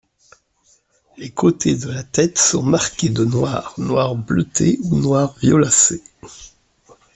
Les côtés de la tête sont marqués de noir, noir-bleuté ou noir-violacé.